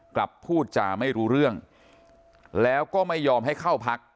กลับพูดจาไม่รู้เรื่องแล้วก็ไม่ยอมให้เข้าพัก